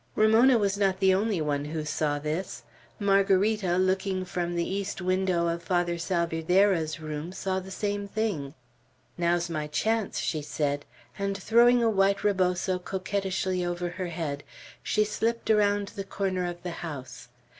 Ramona was not the only one who saw this. Margarita, looking from the east window of Father Salvierderra's room, saw the same thing. "Now's my chance!" she said; and throwing a white reboso coquettishly over her head, she slipped around the corner of the house.